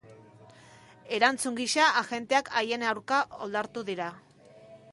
Erantzun gisa, agenteak haien aurka oldartu dira.